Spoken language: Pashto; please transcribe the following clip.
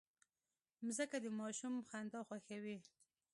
مځکه د ماشوم خندا خوښوي.